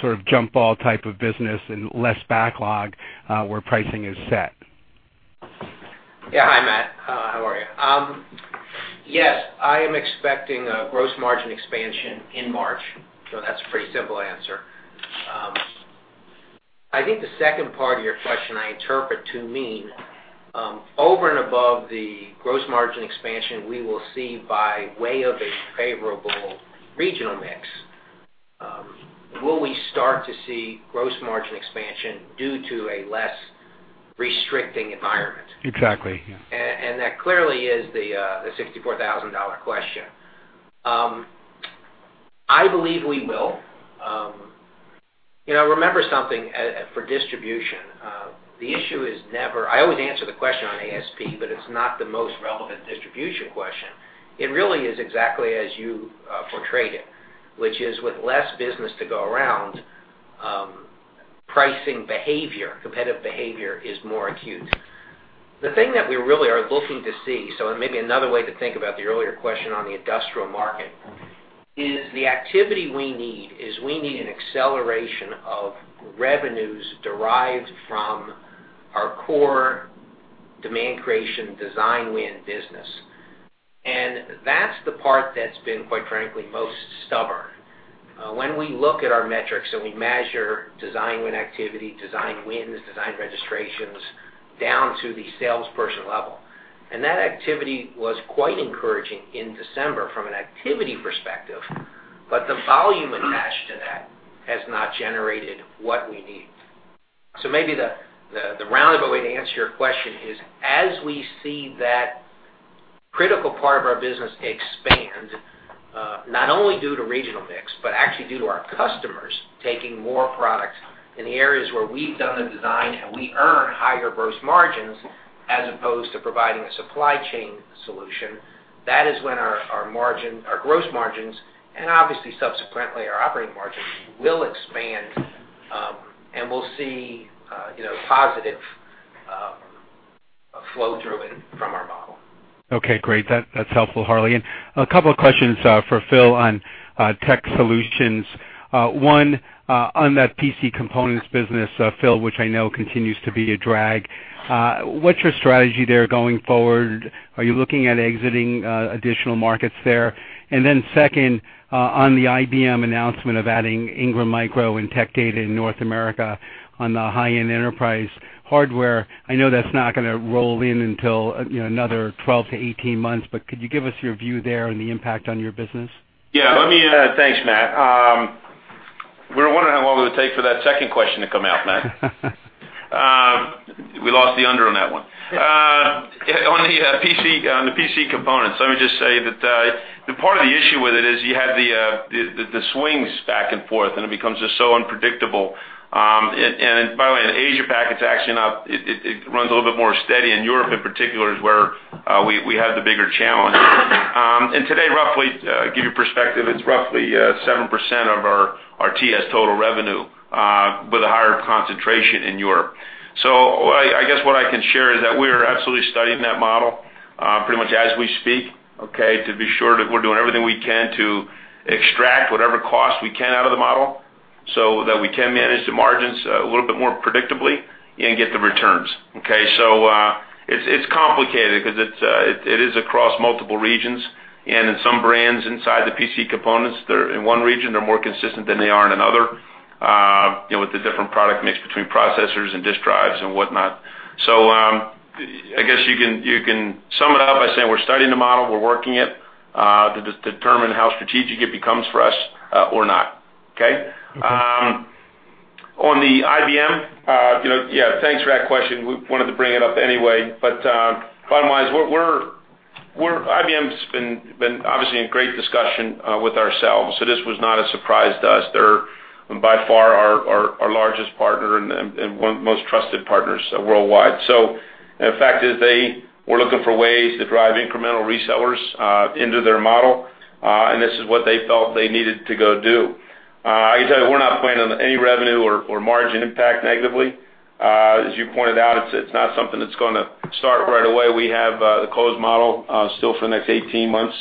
sort of jump ball type of business and less backlog where pricing is set? Yeah. Hi, Matt. How are you? Yes, I am expecting a gross margin expansion in March, so that's a pretty simple answer. I think the second part of your question, I interpret to mean, over and above the gross margin expansion, we will see by way of a favorable regional mix, will we start to see gross margin expansion due to a less restricting environment? Exactly, yeah. And that clearly is the $64,000 question. I believe we will. You know, remember something, for distribution, the issue is never... I always answer the question on ASP, but it's not the most relevant distribution question. It really is exactly as you portrayed it, which is with less business to go around, pricing behavior, competitive behavior is more acute. The thing that we really are looking to see, so it may be another way to think about the earlier question on the industrial market, is the activity we need, is we need an acceleration of revenues derived from our core demand creation, design win business. And that's the part that's been, quite frankly, most stubborn. When we look at our metrics, and we measure design win activity, design wins, design registrations, down to the salesperson level, and that activity was quite encouraging in December from an activity perspective, but the volume attached to that has not generated what we need. So maybe the roundabout way to answer your question is, as we see that critical part of our business expand, not only due to regional mix, but actually due to our customers taking more products in the areas where we've done the design and we earn higher gross margins, as opposed to providing a supply chain solution, that is when our margin, our gross margins, and obviously subsequently, our operating margins, will expand, and we'll see, you know, positive flow through it from our model. Okay, great. That's helpful, Harley. And a couple of questions for Phil on Tech Solutions. One on that PC components business, Phil, which I know continues to be a drag. What's your strategy there going forward? Are you looking at exiting additional markets there? And then second, on the IBM announcement of adding Ingram Micro and Tech Data in North America on the high-end enterprise hardware, I know that's not gonna roll in until, you know, another 12-18 months, but could you give us your view there and the impact on your business? Yeah, let me... Thanks, Matt. We were wondering how long it would take for that second question to come out, Matt.... On the PC, on the PC components, let me just say that the part of the issue with it is you have the swings back and forth, and it becomes just so unpredictable. And by the way, in Asia Pac, it's actually not; it runs a little bit more steady. In Europe, in particular, is where we have the bigger challenge. And today, roughly, give you perspective, it's roughly 7% of our TS total revenue, with a higher concentration in Europe. So I guess what I can share is that we are absolutely studying that model, pretty much as we speak, okay, to be sure that we're doing everything we can to extract whatever cost we can out of the model so that we can manage the margins a little bit more predictably and get the returns. Okay, so it's complicated because it is across multiple regions, and in some brands inside the PC components, they're in one region, they're more consistent than they are in another, you know, with the different product mix between processors and disk drives and whatnot. So I guess you can sum it up by saying we're studying the model, we're working it, to determine how strategic it becomes for us, or not. Okay? On the IBM, you know, yeah, thanks for that question. We wanted to bring it up anyway, but bottom line is we're IBM's been obviously in great discussion with ourselves, so this was not a surprise to us. They're by far our largest partner and one most trusted partners worldwide. So the fact is they were looking for ways to drive incremental resellers into their model and this is what they felt they needed to go do. I can tell you, we're not planning on any revenue or margin impact negatively. As you pointed out, it's not something that's gonna start right away. We have the closed model still for the next 18 months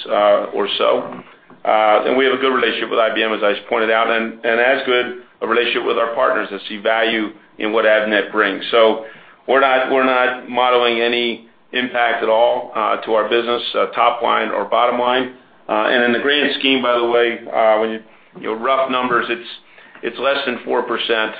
or so. And we have a good relationship with IBM, as I just pointed out, and as good a relationship with our partners that see value in what Avnet brings. So we're not modeling any impact at all to our business, top line or bottom line. And in the grand scheme, by the way, when you know, rough numbers, it's less than 4% of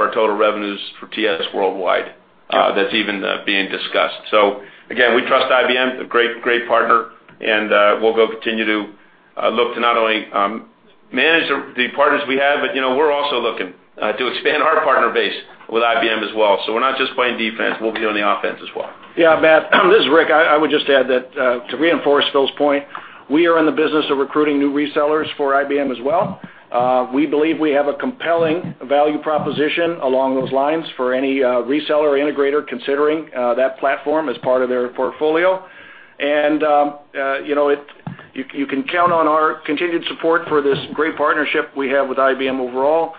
our total revenues for TS worldwide that's even being discussed. So again, we trust IBM, a great partner, and we'll continue to look to not only manage the partners we have, but you know, we're also looking to expand our partner base with IBM as well. So we're not just playing defense, we'll be on the offense as well. Yeah, Matt, this is Rick. I would just add that to reinforce Phil's point, we are in the business of recruiting new resellers for IBM as well. We believe we have a compelling value proposition along those lines for any reseller or integrator considering that platform as part of their portfolio. You know, you can count on our continued support for this great partnership we have with IBM overall.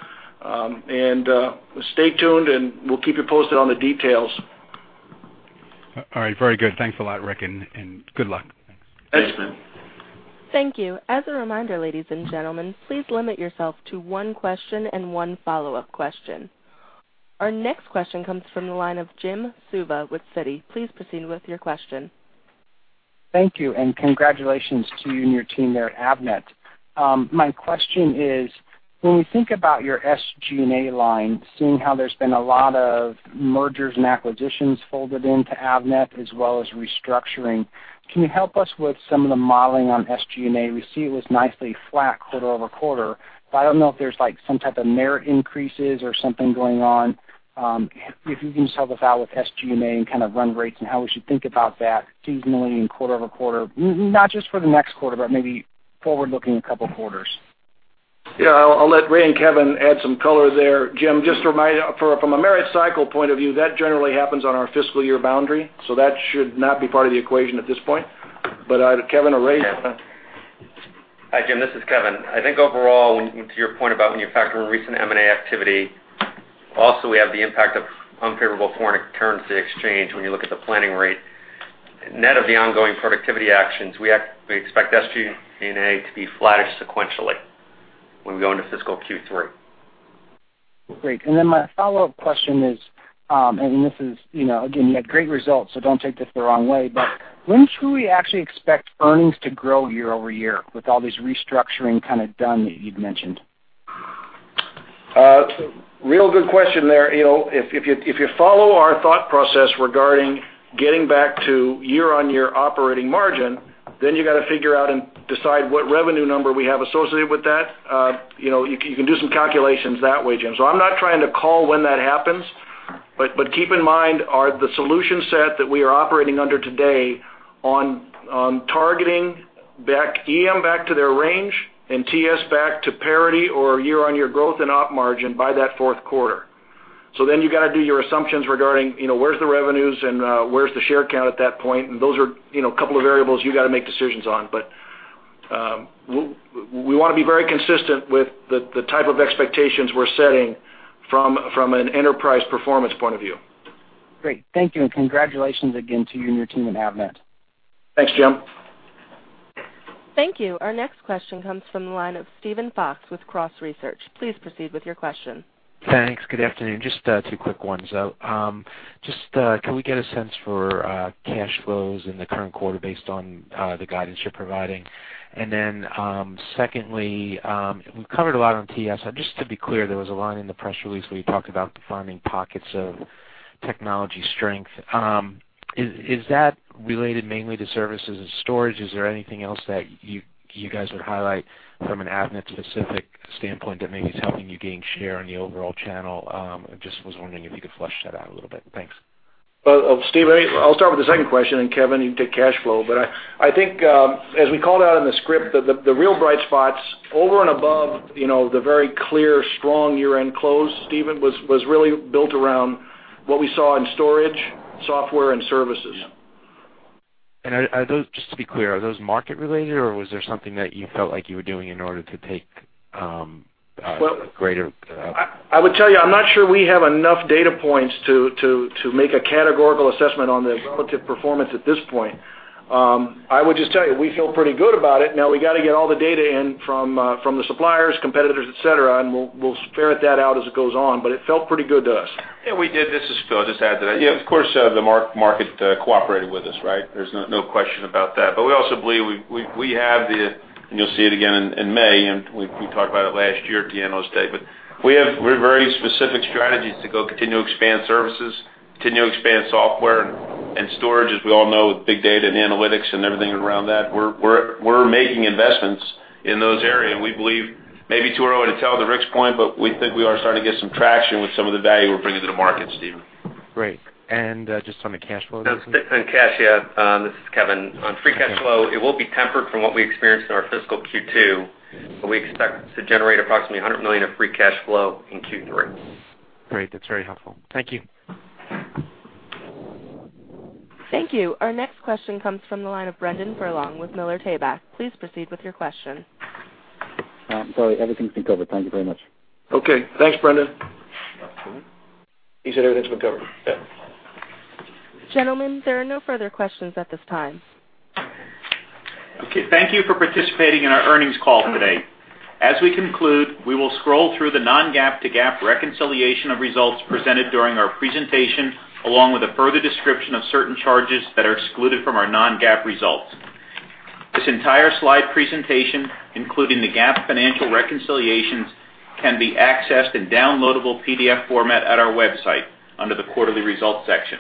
Stay tuned, and we'll keep you posted on the details. All right. Very good. Thanks a lot, Rick, and good luck. Thanks, man. Thank you. As a reminder, ladies and gentlemen, please limit yourself to one question and one follow-up question. Our next question comes from the line of Jim Suva with Citi. Please proceed with your question. Thank you, and congratulations to you and your team there at Avnet. My question is, when we think about your SG&A line, seeing how there's been a lot of mergers and acquisitions folded into Avnet, as well as restructuring, can you help us with some of the modeling on SG&A? We see it was nicely flat quarter over quarter, but I don't know if there's, like, some type of merit increases or something going on. If you can just help us out with SG&A and kind of run rates and how we should think about that seasonally and quarter over quarter, not just for the next quarter, but maybe forward-looking a couple quarters. Yeah, I'll, I'll let Ray and Kevin add some color there. Jim, just a reminder, from a merit cycle point of view, that generally happens on our fiscal year boundary, so that should not be part of the equation at this point. But, Kevin or Ray? Hi, Jim, this is Kevin. I think overall, when to your point about when you factor in recent M&A activity, also, we have the impact of unfavorable foreign currency exchange when you look at the planning rate. Net of the ongoing productivity actions, we expect SG&A to be flattish sequentially when we go into fiscal Q3. Great. And then my follow-up question is, and this is, you know, again, you had great results, so don't take this the wrong way, but when should we actually expect earnings to grow year-over-year with all these restructuring kind of done that you'd mentioned? Real good question there, you know, if you follow our thought process regarding getting back to year-on-year operating margin, then you got to figure out and decide what revenue number we have associated with that. You know, you can do some calculations that way, Jim. So I'm not trying to call when that happens, but keep in mind, our, the solution set that we are operating under today on targeting back, EM back to their range and TS back to parity or year-on-year growth and op margin by that fourth quarter. So then you got to do your assumptions regarding, you know, where's the revenues and where's the share count at that point, and those are, you know, a couple of variables you got to make decisions on. But we want to be very consistent with the type of expectations we're setting from an enterprise performance point of view. Great. Thank you, and congratulations again to you and your team at Avnet. Thanks, Jim. Thank you. Our next question comes from the line of Steven Fox with Cross Research. Please proceed with your question. Thanks. Good afternoon. Just two quick ones, though. Just can we get a sense for cash flows in the current quarter based on the guidance you're providing? And then, secondly, we've covered a lot on TS. Just to be clear, there was a line in the press release where you talked about finding pockets of technology strength. Is that related mainly to services and storage? Is there anything else that you guys would highlight from an Avnet-specific standpoint that maybe is helping you gain share in the overall channel? I just was wondering if you could flesh that out a little bit. Thanks.... Well, Steven, I'll start with the second question, and Kevin, you take cash flow. But I think, as we called out in the script, the real bright spots over and above, you know, the very clear, strong year-end close, Steven, was really built around what we saw in storage, software, and services. Yeah. And are, are those, just to be clear, are those market-related, or was there something that you felt like you were doing in order to take a greater I would tell you, I'm not sure we have enough data points to make a categorical assessment on the relative performance at this point. I would just tell you, we feel pretty good about it. Now we got to get all the data in from the suppliers, competitors, et cetera, and we'll ferret that out as it goes on, but it felt pretty good to us. Yeah, we did. This is Phil. I'll just add to that. Yeah, of course, the market cooperated with us, right? There's no question about that. But we also believe we have the... And you'll see it again in May, and we talked about it last year at the Analyst Day. But we have. We're very specific strategies to go continue to expand services, continue to expand software and storage, as we all know, with big data and analytics and everything around that. We're making investments in those areas, and we believe maybe too early to tell the Rick's point, but we think we are starting to get some traction with some of the value we're bringing to the market, Steven. Great. And, just on the cash flow- On cash, yeah. This is Kevin. On free cash flow, it will be tempered from what we experienced in our fiscal Q2, but we expect to generate approximately $100 million of free cash flow in Q3. Great. That's very helpful. Thank you. Thank you. Our next question comes from the line of Brendan Furlong with Miller Tabak. Please proceed with your question. Sorry, everything's been covered. Thank you very much. Okay. Thanks, Brendan. He said everything's been covered. Gentlemen, there are no further questions at this time. Okay, thank you for participating in our earnings call today. As we conclude, we will scroll through the non-GAAP to GAAP reconciliation of results presented during our presentation, along with a further description of certain charges that are excluded from our non-GAAP results. This entire slide presentation, including the GAAP financial reconciliations, can be accessed in downloadable PDF format at our website under the Quarterly Results section.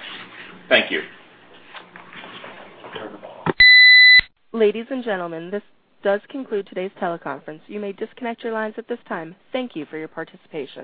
Thank you. Ladies and gentlemen, this does conclude today's teleconference. You may disconnect your lines at this time. Thank you for your participation.